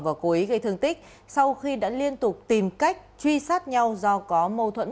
và cố ý gây thương tích sau khi đã liên tục tìm cách truy sát nhau do có mâu thuẫn